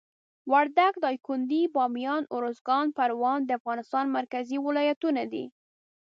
وردګ، دایکندي، بامیان، اروزګان، پروان د افغانستان مرکزي ولایتونه دي.